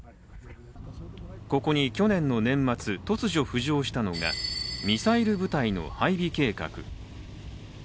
ここに去年の年末、突如浮上したのがミサイル部隊の配備計画。